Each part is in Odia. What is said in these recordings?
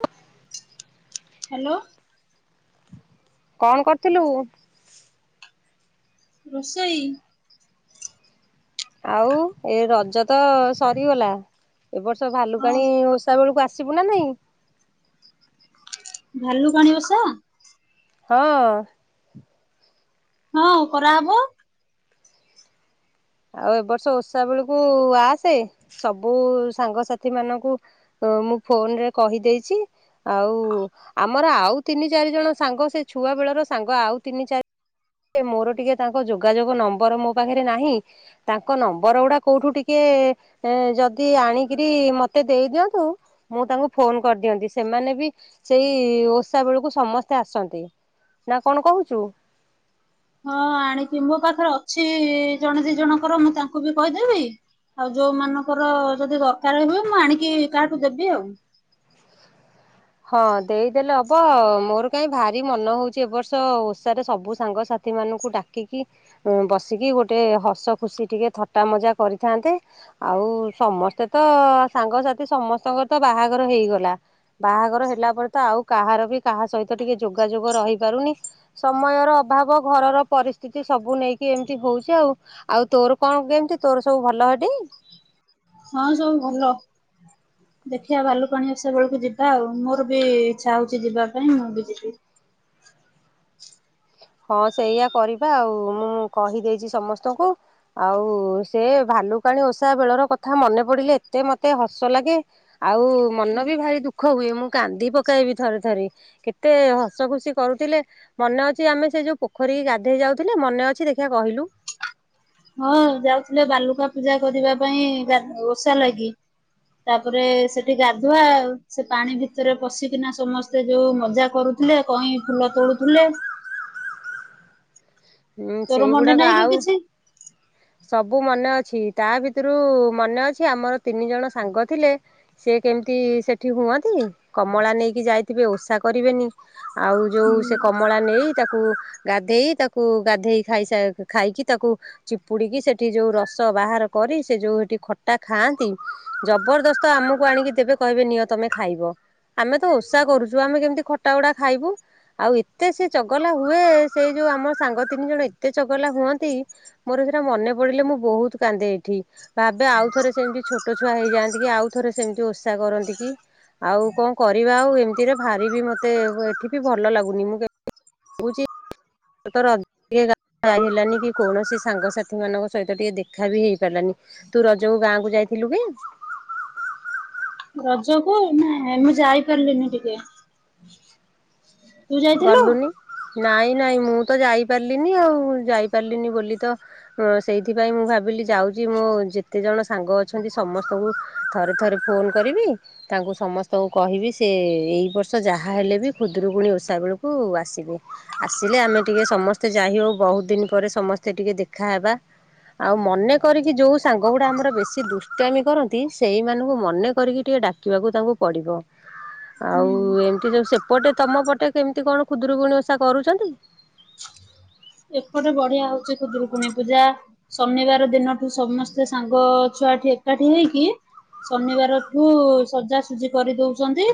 ହଁ ହାଲୋ। କଣ କରୁଥିଲୁ? ରୋଷେଇ। ଆଉ ଏ ରଜ ତ ସରିଗଲା ଏ ବର୍ଷ ହଁ ଭାଲୁକାଣି ଓଷା ବେଳକୁ ଆସ୍ ସିବୁ ନା ନାଇଁ? ଭାଲୁ କାଣି ଓଷା? ହଁ। ହଁ କରାହବ। ଆଉ ଏ ବର୍ଷ ଓଷା ବେଳକୁ ଆସେ ସବୁ ସାଙ୍ଗସାଥି ମାନଙ୍କୁ ହ ମୁଁ ଫୋନ୍ ରେ କହିଦେଇଛି। ଆଉ ଆମର ଆଉ ତିନି ଚାରି ଜଣ ସାଙ୍ଗ ସେଇ ଛୁଆ ବେଳର ସାଙ୍ଗ ଆଉ ତିନି ଚାରି ଏ ମୋର ଟିକେ ତାଙ୍କ ଯୋଗାଯୋଗ ନମ୍ବର ମୋ ପାଖରେ ନାହିଁ। ତାଙ୍କ ନମ୍ବର ଉଡ଼ା କୋଉଠୁ ଟିକେ ଏଁ ଯଦି ଆଣିକିରି ମତେ ଦେଇଦିଅନ୍ତୁ। ମୁଁ ତାଙ୍କୁ ଫୋନ କରିଦିଅନ୍ତି ସେମାନେ ବି ସେଇ ଓଷା ବେଳକୁ ସମସ୍ତେ ଆସନ୍ତି। ନା କଣ କହୁଛୁ? ହଁ ଆଣିକି ମୋ ପାଖରେ ଅଛି ଜଣେ ଦି ଜଣଙ୍କର ମୁଁ ତାଙ୍କୁ ବି କହିଦେବି। ଆଉ ଯୋଉ ମାନଙ୍କର ଯଦି ଦରକାରେ ହୁଏ ମୁଁ ଆଣିକି କାହାଠୁ ଦେବି ଆଉ। ହଁ ଦେଇଦେଲେ ହବ ମୋର କାଇଁ ଭାରି ମନ ହୋଉଛି ଏ ବର୍ଷ ଓଷାରେ ସବୁ ସାଙ୍ଗସା ଥି ମାନଙ୍କୁ ଡାକିକି ଉଁ ବସିକି ଗୋଟେ ହସ ଖୁସି ଟିକେ ଥଟ୍ଟା ମଜା କରିଥାନ୍ତେ। ଆଉ ସମସ୍ତେ ତ ସାଙ୍ଗସାଥି ସମସ୍ତଙ୍କର ତ ବାହାଘର ହେଇଗଲା। ବାହାଘର ହେଲା ପରେ ତ ଆଉ କାହାର ବି କାହା ସହିତ ଟିକେ ଯୋଗାଯୋଗ ରହିପାରୁନି। ସମୟର ଅଭାବ ଘରର ପରିସ୍ଥିତି ସବୁ ନେଇକି ଏମିତି ହଉଛି ଆଉ। ଆଉ ତୋର କଣ କେମିତି ତୋର ସବୁ ଭଲ ହେଟି? ହଁ ସବୁ ଭଲ। ଦେଖିବା ଭାଲୁକାଣି ଓଷା ବେଳକୁ ଯିବା ଆଉ ମୋର ବି ଇଚ୍ଛା ହଉଛି ଯିବା ପାଇଁ ମୁଁ ବି ଯିବି। ହଁ ସେଇଆ କରିବା ଆଉ ମୁଁ କହିଦେଇଛି ସମସ୍ତଙ୍କୁ। ଆଉ ସେ ଭାଲୁକାଣୀ ଓଷା ବେଳର କଥା ମନେ ପଡ଼ିଲେ ଏତେ ମତେ ହସ ଲାଗେ। ଆଉ ମନ ବି ଭାରି ଦୁଃଖ ହୁଏ ମୁଁ କାନ୍ଦି ପକାଏବି ଥରେ ଥରେ। କେତେ ହସ ଖୁସି କରୁଥିଲେ ମନେ ଅ ଯେ ସେ ଆମେ ସେ ଯୋଉ ପୋଖରୀକି ଗାଧେଇ ଯାଉଥିଲେ ମନେ ଅଛି ଦେଖିଆ କହିଲୁ? ହଁ ଯାଉଥିଲେ ବାଲୁକା ପୂଜା କରିବା ପାଇଁ ଗା ଓଷା ଲାଗି। ତାପରେ ସେଠି ଗାଧୁଆ ଆଉ ସେ ପାଣି ଭିତରେ ପଶିକିନା ସମସ୍ ତେ ଯୋଉ ମଜା କରୁଥିଲେ କଇଁ ଫୁଲ ତୋଳୁଥିଲେ। ହୁଁ ତୋର ମନେ ସେଇଗୁଡ଼ାକ ନାହିଁ କି ଆଉ କିଛି? ସବୁ ମନେ ଅଛି ତା ଭିତରୁ ମନେ ଅଛି ଆମର ତିନି ଜଣ ସାଙ୍ଗ ଥିଲେ। ସେ କେମିତି ସେଠି ହୁଅନ୍ତି କମଳା ନେଇକି ଯାଇଥିବେ ଓଷା କରିବେନି। ଆଉ ଯୋଉ ସେ ହୁଁ କମଳା ନେଇ ତାକୁ ଗାଧେଇ ତା କୁ ଗାଧେଇ ଖାଇସା ଖାଇକି ତାକୁ ଚିପୁଡ଼ି କି ସେଠି ଯୋଉ ରସ ବାହାର କରି ସେ ଯୋଉ ହେଠି ଖଟା ଖାଆନ୍ତି। ଜବରଦସ୍ତ ଆମକୁ ଆଣିକି ଦେବେ କହିବେ ନିଅ ତମେ ଖାଇବ। ଆମେ ତ ଓଷା କରୁଛୁ ଆମେ କେମିତି ଖଟା ଉଡ଼ା ଖାଇବୁ? ଆଉ ଏତେ ସେ ଚଗଲା ହୁଏ। ସେଇ ଯୋଉ ଆମ ସାଙ୍ଗ ତିନି ଜଣ ଏତେ ଚଗଲା ହୁଅନ୍ତି। ମୋର ସେଟା ମନେ ପଡିଲେ ମୁଁ ବହୁତ କାନ୍ଦେ ଏଠି। ଭାବେ ଆଉ ଥରେ ସେମତି ଛୋଟ ଛୁଆ ହେଇଯାଆନ୍ତି କି ଆଉ ଥରେ ସେମିତି ଓଷା କରନ୍ତି କି? ଆଉ କଣ କରିବା ଆଉ ଏମିତିରେ ଭାରି ବି ମତେ ଏଠି ବି ଭଲ ଲାଗୁନି ମୁଁ ପୁଚି ତ [unintelligible] ଟିକେ ଗା ଯାଇହେଲାନି କି କୌଣସି ସାଙ୍ଗସାଥି ମାନଙ୍କ ସହିତ ଟିକେ ଦେଖା ବି ହେଇପାରିଲାନି। ତୁ ରଜକୁୁ ଗାଁକୁୁ ଯାଇଥିଲୁ କି? ରଜ କୁ ନାଇ ମୁଁ ଯାଇପାରିଲିନି ଟିକେ। ତୁ ଯାଇଥିଲୁ? ଗଲୁନି ନାଇଁ ନାଇଁ ମୁଁ ତ ଯାଇପାରିଲିନି ଆଉ ଯାଇପାରିଲିନି ବୋଲି ତ ହ ସେଇଥିପାଇଁ ମୁଁ ଭାବିଲି ଯାଉଛି ମୋ ଯେତେ ଜଣ ସାଙ୍ଗ ଅଛନ୍ତି ସମସ୍ତଙ୍କୁ ଥରେ ଥରେ ଫୋନ୍ କରିବି ତାଙ୍କୁ ସମସ୍ତଙ୍କୁ କହିବି ସେ ଏଇ ବର୍ଷ ଯାହା ହେଲେ ବି ଖୁଦରୁକୁୁଣୀ ଓଷା ଓଷା ବେଳକୁ ଆସିବୁ। ଆସିଲେ ଆମେ ଟିକେ ସମସ୍ତେ ଯାଇ ହଉ ବହୁତ ଦିନ ପରେ ସମସ୍ତେ ଟିକେ ଦେଖାହବା। ଆଉ ମନେ କରିକି ଯୋଉ ସାଙ୍ଗ ଗୁଡା ଆମର ବେଶୀ ଦୁଷ୍ଟ ଆମି କରନ୍ତି ସେଇମାନଙ୍କୁ ମନେ କରିକି ଟିକେ ଡା କିବାକୁ ତାଙ୍କୁ ପଡ଼ିବ। ହୁଁ ଆଉ ଏମିତି ଯୋଉ ସେପଟେ ତମ ପଟେ କେମିତି କଣ ଖୁଦରୁକୁୁଣୀ ଓଷା କରୁଛନ୍ତି? ଏପଟେ ବଢିଆ ହଉଛି ଖୁଦୁରୁକୁଣୀ ପୂଜା। ଶନିବାର ଦିନଠୁ ସମସ୍ତେ ସାଙ୍ଗ ଛୁଆଠି ଏକାଠି ହେଇକି ଶନିବାରଠୁ ସଜାସଜି କରିଦଉଛନ୍ତି।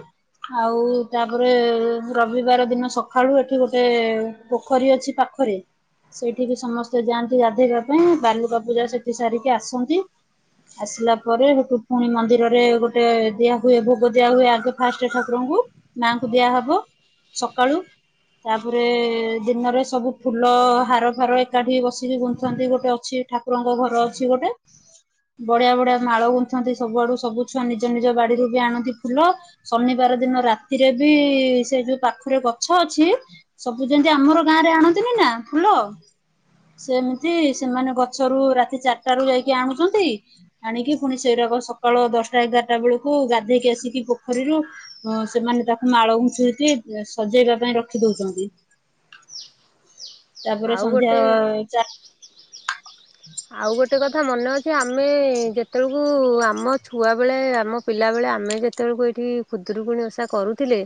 ଆଉ ତାପରେ ରବିବାର ଦିନ ସକାଳୁ ଏଠି ଗୋଟେ ପୋଖରୀ ଅଛି ପାଖରେ ସେଇଠି ବିି ସମସ୍ତେ ଯାଆନ୍ତି ଗାଧୋଇବା ପାଇଁ ବାଲୁକା ବା ପୂଜା ସେଠି ସାରିକି ଆସନ୍ତି। ଆସିଲା ପରେ ସେଠୁ ପୁଣି ମନ୍ଦିରରେ ଗୋଟେ ଦିଆ ହୁଏ। ଭୋଗ ଦିଆ ହୁଏ ଆଗେ ଫାଷ୍ଟେ ଠାକୁରଙ୍କୁ। ମାଙ୍କୁ ଦିଆହବ ସକାଳୁ ତାପରେ ଦିନରେ ସବୁ ଫୁଲ ହାର ଫାର ଏକାଠି ବସିକି ଗୁନ୍ଥନ୍ତି ଗୋଟେ ଅଛି ଠାକୁରଙ୍କ ଘର ଅଛି ଗୋଟେ। ବଢିଆ ବଢିଆ ମାଳ ଗୁନ୍ଥନ୍ତି ସବୁଆଡୁ ସବୁ ଛୁଆ ନିଜ ନିଜ ବାଡିରୁ ବି ଆଣନ୍ତି ଫୁଲ। ଶନିବାର ଦିନ ରାତିରେ ବି ସେ ଯୋଉ ପାଖରେ ଗଛ ଅଛି ସବୁ ଯେମତି ଆମର ଗାଁ ରେ ଆଣନ୍ତିନି ନା ଫୁଲ ସେମିତି ସେମାନେ ଗଛ ରୁ ରାତି ଚାରିଟା ରୁ ଯାଇକି ଆଣୁଛନ୍ତି। ଆଣିକି ପୁଣି ସେଇରାକ ସକାଳ ଦଶଟା ଏଗାରଟା ବେଳକୁ ଗାଧେଇକି ଆସିକି ପୋଖରୀରୁ ହ ସେମାନେ ତାକୁ ମାଳ ଗୁନ୍ଥିକି ସଜେଇବା ପାଇଁ ରଖି ଦଉଛନ୍ତି। ତାପରେ ଆଉ ଗୋଟେ ସନ୍ଧ୍ୟା ଚାର ଆଉ ଗୋଟେ କଥା ମନେ ଅଛି ଆମେ ଯେତେବେଳକୁ ଆମ ଛୁଆବେଳେ ଆମ ପିଲାବେଳେ ଆମେ ଯେତବେଳକୁ ଏଇଠି ଖୁଦରୁକୁଣିୀ ଓଷା କରୁ ଥିଲେ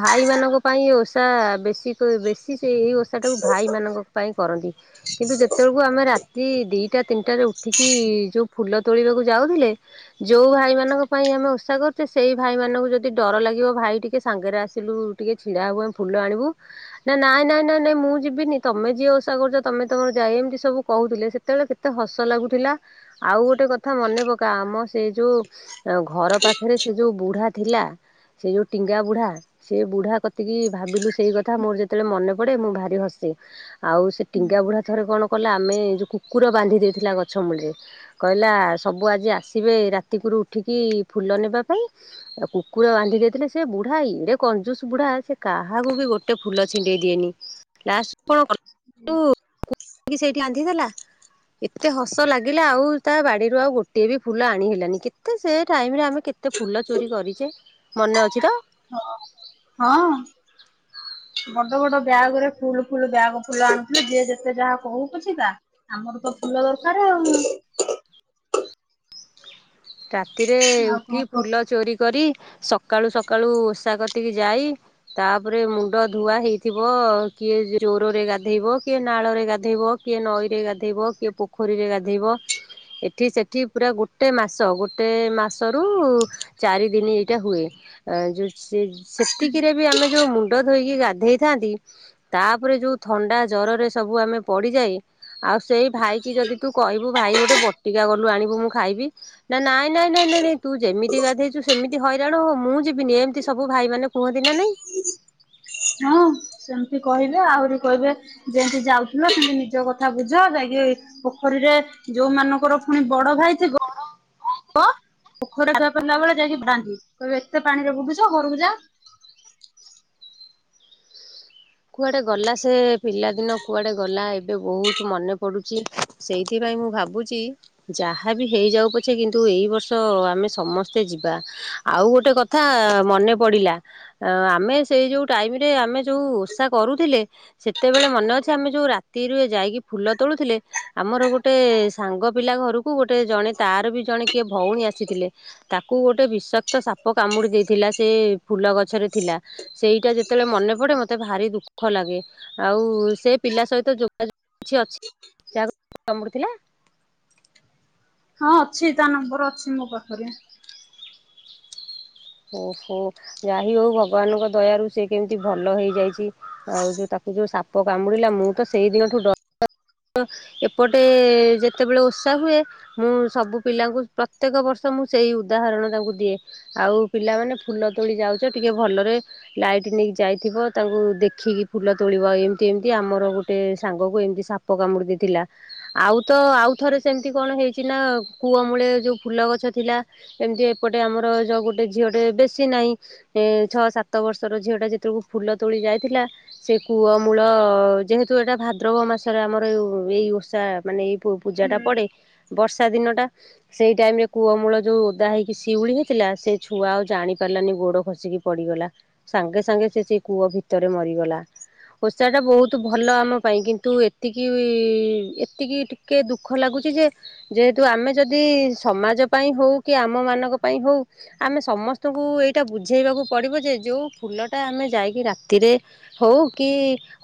ଭାଇମାନଙ୍କ ପାଇଁ ଓଷା ବେଶୀ ବେଶୀ ସେଇ ଏଇ ଓ ଷା ଟାକୁ ଭାଇମାନାନଙ୍କ ପାଇଁ କରନ୍ତି କିନ୍ତୁ ଯେତେଳୁ ରାତି ଦିଟା ତିନିଟାରେ ଉଠିକି ଯୋଉ ଫୁଲ ତୋଳିବାକୁ ଯାଉଥିଲେ ଯେଉଁ ଭାଇମାନଙ୍କ ପାଇଁ ଆମେ ଓଷା କରୁଛେ ସେଇ ଭାଇମାନଙ୍କୁ ଯଦି ଡର ଲାଗିବ ଭାଇ ଟିକେ ସାଙ୍ଗରେ ଆସିଲୁ ଟିକେ ଛିଡା ହବୁ ଆମେ ଫୁଲ ଆଣିବୁ ନା ନାଇଁ ନାଇଁ ନାଇଁ ମୁଁ ଯିବିନି ତମେ ଯିଏ ଓଷା କରୁଛ ତମେ ତମର ଯାଇ ଏମତି ସବୁ କହୁଥିଲେ ସେତେବେଳେ କେତେ ହସ ଲାଗୁଥିଲା। ଆଉ ଗୋଟେ କଥା ମନେ ପକା ଆମ ସେ ଯେଉ ଆ ଘର ପାଖରେ ସେ ଯେଉ ବୁଢା ଥିଲା ସେ ଯେଉ ଟିଙ୍ଗା ବୁଢ଼ା ସେ ବୁଢା କତିକି ଭାବିଲୁ ସେଇ କଥା ମୋର ଯେତେବେଳେ ମନେ ପଡେ ମୁଁ ଭାରି ହସେ ଆଉ ସେ ଟିଙ୍ଗା ବୁଢା ଥରେ କଣ କଲା ଆମେ ଯୋଉ କୁକୁର ବାନ୍ଧି ଦେଇଉଥିଲା ଗଛ ମୂଳରେ କହିଲା ସବୁ ଆଜି ଆସିବେ ରାତିକରୁ ଉଠିକି ଫୁଲ ନେବା ପାଇଁ ଆଉ କୁକୁର ବାନ୍ଧି ଦେଇଥିଲେ ସେ ବୁଢା ଇଡେ କଞ୍ଜୁସ ବୁଢା ସେ କାହାକୁ ବି ଗୋଟେ ଫୁଲ ଛିଣ୍ଡେଇ ଦିଏନି। ଲାଷ୍ଟ କଣ କଲ ସେଇଠି ଆନ୍ଧି ଦେଲା ଏତେ ହସ ଲାଗିଲା ଆଉ ତା ବାଡିରୁ ଆଉ ଗୋଟିଏ ବି ଫୁଲ ଆଣି ହେଲାନି କେତେ ସେ ଟାଇମ ରେ ଆମେ କେ ଏତେ ଫୁଲ ଚୋରି କରିଚେ ମନେ ଅଛି ତ? ହଁ ହଁ। ବଡ ବଡ ବ୍ୟାଗ ରେ ଫୁଲ ଫୁଲ ବ୍ୟାଗ ଫୁଲ ଆଣିଥିଲେ ଯି ଯେତେ ଯାହା କହୁ ପଛିକା। ଆମର ତ ଫୁଲ ଦରକାର ଆଉ। ରାତିରେ ଆଉ କଣ ଉଠି କୁହ? ଫୁଲ ଚୋରି କରି ସକାଳୁ ସକାଳୁ ଓଷା କରତିକି ଯାଇ। ତାପରେ ମୁଣ୍ଡ ଧୁଆ ହେଇଥିବ କିଏ ଜୋରରେ ଗାଧେଇବ କିଏ ନାଳରେ ଗାଧେଇବ। କିଏ ନଈରେ ଗାଧେଇବ କିଏ ପୋଖରୀରେ ଗାଧୋଇବ ଏଠି ସେଠି ପୁରା ଗୋଟେ ମାସ ଗୋଟେ ମାସରୁ ଚାରି ଦିନ ଏଇଟା ହୁଏ ଯେଉ ଯଦି ସେତିକିରେ ବି ଆମେ ଯୋଉ ମୁ ମୁଣ୍ଡ ଧୋଇକି ଗାଧେଇଥାନ୍ତି ତାପରେ ଯୋଉ ଥଣ୍ଡା ଜରରେ ସବୁ ଆମେ ପଡିଯାଇ ଆଉ ସେଇ ଭାଇ କି ଯଦି ତୁ କହିବୁ ଭାଇ ଗୋଟେ ବଟିକା ଗଲୁ ଆଣିବୁ ମୁଁ ଖାଇବି ନା ନାଇଁ ନାଇଁ ନାଇଁ ନାଇଁ ନାଇଁ ତୁ ଯେମିତି ଗାଧେଇଚୁ ସେମିତି ହଇରାଣ ହୋ ମୁଁ ଯିବିନି ଏମିତି ସବୁ ଭାଇ ମାନ କୁହନ୍ତି ନା ନାଇଁ? ହଁ ସେମିତି କହିବେ ଆହୁରି କହିବେ ଯେମତି ଯାଉଥିଲ ସେମିତି ନିଜ କଥା ବୁଝ ଯାଇିକି ପୋଖରୀରେ ଯୋଉ ମାନଙ୍କର ପୁଣି ବଡ ଭାଇ ଥିବ [unintelligible] ତ ପୋଖରରେ [unintelligible] ବେଳେ ଯାଇକି ବାଙ୍ଗି କହିବେ ଏତେ ପାଣିରେ ବୁଡୁଚୁ ଘରକୁ ଯା। କୁଆଡେ ଗଲା ସେ ପିଲା ଦିନ କୁଆଡେ ଗଲା ଏବେ ବୋହୁତ ମନେ ପଡୁଚି। ସେଇଥିପାଇଁ ମୁଁ ଭାବୁଚି ଯାହା ବି ହେଇଯାଉ ପଛେ କିନ୍ତୁ ଏଇ ବର୍ଷ ଆମେ ସମସ୍ତେ ଯିବା। ଆଉ ଗୋଟେ କଥା ମନେ ପଡ଼ିଲା ଆମେ ସେଇ ଯୋଉ ଟାଇମରେ ଆମେ ଯଉ ତା କରୁଥିଲେ ସେତେବେଳେ ମନେ ଅଛି ଆମେ ଯୋଉ ରାତିରୁ ଯାଇକି ଫୁଲ ତୋଳୁଥିଲେ। ଆମର ଗୋଟେ ସାଙ୍ଗ ପିଲା ଘରକୁ ଗୋଟେ ଜଣେ ତାର ବି ଜଣେ କିଏ ଭଉଣୀ ଆସିଥିଲେ। ତାକୁ ଗୋଟେ ବିଷାକ୍ତ ସାପ କାମୁଡି ଦେଇଥିଲା ସେ ଫୁଲ ଗଛରେ ଥିଲା। ସେଇଟା ଯେତେବେଳେ ମନେ ପଡେ ମତେ ଭାରି ଦୁଃଖ ଲାଗେ ଆଉ ସେ ପିଲା ସହିତ ଯୋଗାଯୋଗ କିଛି ଅଛି ଯାହାକୁ କାମୁଡିଥିଲା? ହଁ ଅଛି ତା ନମ୍ବର ଅଛି ମୋ ପାଖରେ। ଓହୋ ଯାଇ ହୋଉ ଭଗବାନଙ୍କ ଦୟାରୁ ସେ କେମିତି ଭଲ ହେଇଯାଇଚି। ଆଉ ଯୋଉ ତାକୁ ଯୋଉ ସାପ କାମୁଡିଲା ମୁଁ ତ ସେଇ ଦିନଠୁ ଡ ଏପଟେ ଯେତେବେଳେ ଓଷା ହୁଏ ମୁଁ ସବୁ ପିଲାଙ୍କୁ ପ୍ରତ୍ୟେକ ବର୍ଷ ମୁଁ ସେଇ ଉଦାହରଣ ତାଙ୍କୁ ଦିଏ। ଆଉ ପିଲାମାନେ ଫୁଲ ତୋଳି ଯାଉଚ ଟିକେ ଭଲରେ ଲାଇଟ ନେଇକି ଯାଇଥିବ ତାଙ୍କୁ ଦେଖିକି ଫୁଲ ତୋଳିବ ଏମିତି ଏମତି ଆମର ଗୋଟେ ସାଙ୍ଗକୁ ଏମିତି ସାପ ପକାମୁଡ଼ି ଦେଇଥିଲା। ଆଉ ତ ଆଉ ଥରେ ସେମିତି କଣ ହେଇଚି ନା କୂଅମୂଳେ ଯୋଉ ଫୁଲ ଗଛ ଥିଲା। ଏମିତି ଏପଟେ ଆମର ଯଉ ଗୋଟେ ଝିଅ ଟେ ବେଶୀ ନାଇଁ ଏ ଛଅ ସାତ ବର୍ଷର ଝିଅ ଟା ଯେତେବେଳକୁ ଫୁଲ ତୋଳି ଯାଇଥିଲା ସେ କୂଅ ମୂଳ ଯେହେତୁ ଏଟା ଭାଦ୍ରବ ମା ଥରେ ଆମର ଏଇ ଓଷା ମାନେ ଏଇ ପୂଜାଟା ହୁଁ ପଡ଼େ ବର୍ଷା ଦିନଟା। ସେଇ ଟାଇମ ରେ କୂଅ ମୂଳ ଯେଉ ଓଦା ହେଇକି ସିଉଳି ହେଇଥିଲା ସେ ଛୁଆ ଆଉ ଜାଣି ପାରଲାନି ଗୋଡ଼ ଖସିକି ପଡିଗଲା ସାଙ୍ଗେ ସାଙ୍ଗେ ସେ ସେ କୂଅ ଭିତରେ ମରିଗଲା। ଓଷା ଟା ବୋହୁତ ଭଲ ଆମ ପାଇଁ କିନ୍ତୁ ଏ ଏତିକି ଏତିକି ଟିକେ ଦୁଃଖ ଲାଗୁଚି ଯେ ଯେହେତୁ ଆମେ ଯଦି ସମାଜ ପାଇଁ ହୋଉ କି ଆମ ମାନଙ୍କ ପାଇଁ ହୋଉ ଆମେ ସମସ୍ତଙ୍କୁ ଏଇଟା ବୁଝେଇବାକୁ ପଡିବ ଯେ ଯୋଉ ଫୁଲ ଟା ଆମେ ଯାଇକି ରାତିରେ ହୋଉ କି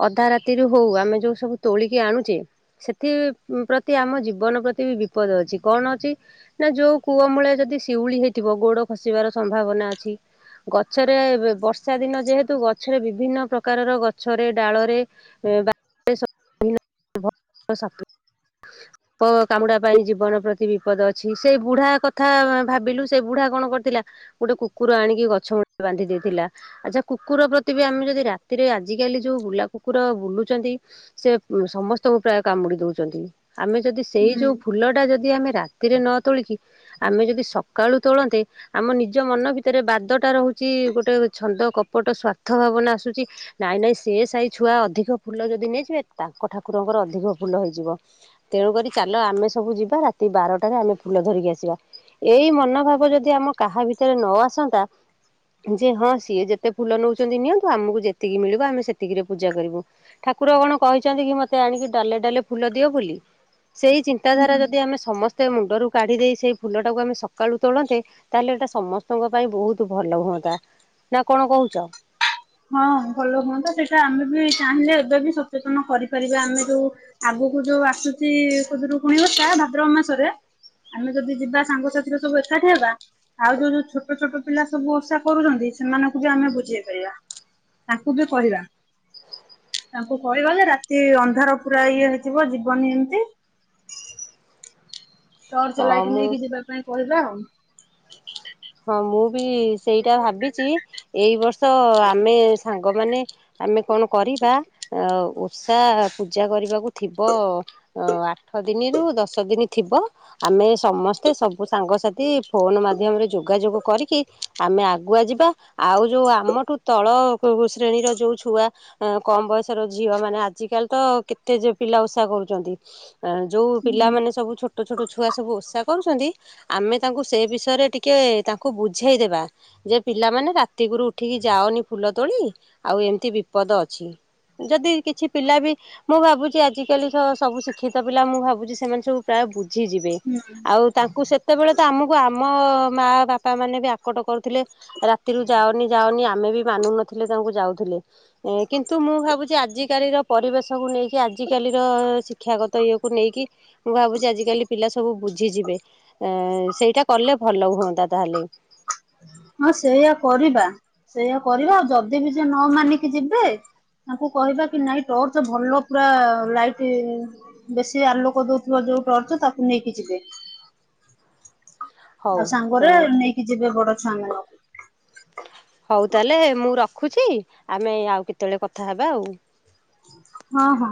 ଅଧା ରାତିରୁ ହୋଉ ଆମେ ଯୋଉ ସବୁ ତୋଳିକି ଆଣୁଚେ। ସେଥି ପ୍ରତି ଆମ ଜୀବନ ପ୍ରତି ବି ବିପଦ ଅଛି, କଣ ଅଛି? ନା ଯୋଉ କୂଅମୂଳେ ଯଦି ଶିଉଳି ହେଇଥିବ ଗୋଡ ଖସିବାର ସମ୍ଭାବନା ଅଛି। ଗଛରେ ଏ ବର୍ଷା ଦିନ ଯେହେତୁ ଗଛରେ ବିଭିନ୍ନ ପ୍ରକାରର ଗଛରେ ଡାଳରେ [unintelligible] ବିଭିନ୍ନ ସାପ କ କାମୁଡ଼ା ପାଇଁ ଜୀବନ ପ୍ରତି ବିପଦ ଅଛି ସେଇ ବୁଢ଼ା କଥା ଭାବିଲୁ ସେ ବୁଢ଼ା କଣ କରିଥିଲା ଗୋଟେ କୁକୁର ଆଣିକି ଗଛ ମୂଳେ ବାନ୍ଧି ଦେଇଥିଲା। ଆଚ୍ଛା କୁକୁର ପ୍ରତି ବି ଆମେ ଯଦି ରାତିରେ ଆଜିକାଲି ଯୋଉ ବୁଲା କୁକୁର ବୁଲୁଚନ୍ତି ସେ ସମସ୍ତଙ୍କୁ ପ୍ରାୟ କାମୁଡି ଦଉଚନ୍ତି ଆମେ ଯଦି ସେଇ ଯୋଉ ହୁଁ ଫୁଲ ଟା ଯଦି ଆମେ ରା ରାତିରେ ନ ତୋଳିକି ଆମେ ଯଦି ସକାଳୁ ତୋଳନ୍ତେ ଆମ ନିଜ ମନ ଭିତରେ ବାଦ ଟା ରହୁଚି ଗୋଟେ ଛନ୍ଦ କପଟ ସ୍ଵାର୍ଥ ଭାବନା ଆସୁଚି ନାଇଁ ନାଇଁ ସେ ସେହି ଛୁଆ ଅଧିକ ଫୁଲ ଯଦି ନେଇଯିବେ ତାଙ୍କ ଠାକୁରଙ୍କର ଅଧିକ ଫୁଲ ହେଇଯିବ। ତେଣୁକରି ଚାଲ ଆମେ ସବୁ ଯିବା ରାତି ବାରଟାରେ ଆମେ ଫୁଲ ଧରିକି ଆସିବା। ଏଇ ମନୋଭାବ ଯଦି ଆମ କାହା ଭିତରେ ନ ଆସନ୍ତା ଯେ ହଁ ସିଏ ଯେତେ ଫୁଲ ନଉଚନ୍ତି ନିଅନ୍ତୁ ଆମକୁ ଯେତିକି ମିଳିବ ଆମେ ସେତିକିରେ ପୂଜା କରିବୁ। ଠାକୁର କଣ କହିଛନ୍ତି କି ମତେ ଆଣିକି ଡାଲେ ଡାଲେ ଫୁଲ ଦିଅ ବୋଲି ସେଇ ଚିନ୍ତାଧାରା ହୁଁ। ଯଦି ଆମେ ସମସ୍ତେ ମୁଣ୍ଡରୁ କାଢ଼ିଦେଇ ସେଇ ଫୁଲଟାକୁ ଆମେ ସକାଳୁ ତୋଳନ୍ତେ ତାହେଲେ ଏଇଟା ସମସ୍ତଙ୍କ ପାଇଁ ବହୁତ ଭଲ ହୁଅନ୍ତା ନା କଣ କହୁଛ ହଁ ଭଲ ହୁଅନ୍ତା ସେଇଟା ଆମେ ବି ଚାହିଁଲେ ଏବେ ବି ସଚେତନ କରିପାରିବା ଆମେ ଯୋଉ ଆଗକୁ ଯୋଉ ଆସୁଛି ଖୁଦୁରୁକୁଣୀ ଓଷା ଭାଦ୍ରବ ମାସରେ ଆମେ ଯଦି ଯିବା ସାଙ୍ଗସାଥିରେ ସବୁ ଏକାଠି ହେବା ଆଉ ଯୋଉ ଯୋଉ ଛୋଟ ଛୋଟ ପିଲା ସବୁ ଓଷା କରୁଛନ୍ତି ସେମାନଙ୍କୁ ବି ଆମେ ବୁଝେଇ ପାରିବା ତାକୁ ବି କହିବା ତାଙ୍କୁ କହିବା ଯେ ରାତି ଅନ୍ଧାର ପୁରା ଇଏ ହେଇଥିବ ଜୀବନି ଏମତି ଟର୍ଚ ହଁ ଲାଇଟ୍ ମୁଁ ନେଇକି ଯିବା ପାଇଁ କହିବା ଆଉ ହଁ ମୁଁ ବି ସେଇଟା ଭାବିଛି ଏଇ ବର୍ଷ ଆମେ ସାଙ୍ଗମାନେ ଆମେ କଣ କରିବା ଓଷା ପୂଜା କରିବାକୁ ଥିବ ଓ ଆଠ ଦିନରୁ ଦଶ ଦିନ ଥିବ ଆମେ ସମସ୍ତେ ସବୁ ସାଙ୍ଗସାଥି ଫୋନ ମାଧ୍ୟମରେ ଯୋଗାଯୋଗ କରିକି ଆମେ ଆଗୁଆ ଯିବା ଆଉ ଯୋଉ ଆମଠୁ ତଳ ଶ୍ରେଣୀର ଯୋଉ ଛୁଆ ଆ କମ୍ ବୟସର ଝିଅ ମାନେ ଆଜିକାଲି ତ କେତେ ଯେ ପିଲା ଓଷା କରୁଛନ୍ତି ଅ ଯୋଉ ହୁଁ ପିଲାମାନେ ସବୁ ଛୋଟ ଛୋଟ ଛୁଆ ସବୁ ଓଷା କରୁଛନ୍ତି ଆମେ ତାଙ୍କୁ ସେ ବିଷୟରେ ଟିକେ ତାଙ୍କୁ ବୁଝେଇଦେବା ଯେ ପିଲାମାନେ ରାତି କୁରୁ ଉଠିକି ଯାଅନି ଫୁଲ ତୋଳି ଆଉ ଏମିତି ବିପଦ ଅଛି ଯଦି କିଛି ପିଲା ବି ମୁଁ ଭାବୁଛି ଆଜି କାଲି ସବୁ ଶିକ୍ଷିତ ପିଲା ମୁଁ ଭାବୁଛି ସେମାନେ ସବୁ ପ୍ରାୟ ବୁଝିଯିବେ ହୁଁ। ଆଉ ତାଙ୍କୁ ସେତେବେଳେ ତ ଆମକୁ ଆମ ମା ବାପା ମାନେ ବି ଆକଟ କରୁଥିଲେ ରାତିରୁ ଯାଅନି ଯାଅନି ଆମେ ବି ମାନୁ ନଥିଲେ ତାଙ୍କୁ ଯାଉଥିଲେ କିନ୍ତୁ ମୁଁ ଭାବୁଛି ଆଜିକାଲିର ପରିବେଶକୁ ନେଇକି ଆଜିକାଲିର ଶିକ୍ଷାଗତ ଇଏକୁ ନେଇକି ମୁଁ ଭାବୁଛି ଆଜି କାଲି ପିଲା ସବୁ ବୁଝିଯିବେ ଅ ସେଇଟା କଲେ ଭଲ ହୁଅନ୍ତା ତାହେଲେ ହଁ ସେଇୟଆ କରିବା ସେଇୟଆ କରିବା ଆଉ ଯଦି ବି ସିଏ ନ ମାନିକି ଯିବେ ତାଙ୍କୁ କହିବା କି ନାଇଁ ଟର୍ଚ୍ଚ ଭଲ ପୁରା ଲାଇଟ ବେଶୀ ଆଲୋକ ଦଉଥିବା ଯୋଉ ଟର୍ଚ ତାକୁ ନେଇକି ଯିବେ ହଉ ଆଉ ସାଙ୍ଗରେ ନେଇକି ଯିବେ ବଡ ଛୁଆ ମାନଙ୍କୁ ହଉ ତାହେଲେ ମୁଁ ରଖୁଛି ଆମେ ଆଉ କେତେବେଳେ କଥା ହେବା ଆଉ ହଁ ହଁ